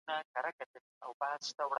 تعلیمي کال باید په بریا پای ته ورسیږي.